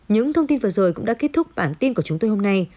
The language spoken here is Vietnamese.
những thông tin vừa rồi cũng đã kết thúc bản tin của chúng tôi hôm nay